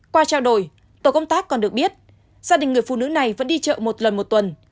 qua trao đổi tổ công tác còn được biết gia đình người phụ nữ này vẫn đi chợ một lần một tuần